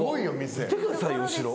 見てください後ろ。